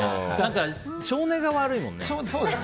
性根が悪いもんね。